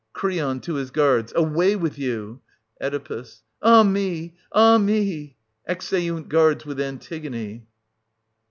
Cr. {to his guards). Away with you ! Oe. Ah me, ah me ! [Exeunt guards with Antigone.